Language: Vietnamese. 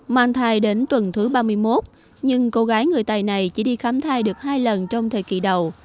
mang thai đến tuần thứ ba mươi một nhưng cô gái người tài này chỉ đi khám thai được hai lần trong thời kỳ đầu